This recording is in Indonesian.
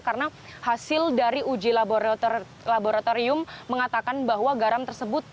karena hasil dari uji laboratorium mengatakan bahwa garam tersebut